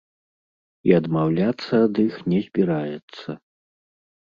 І адмаўляцца ад іх не збіраецца.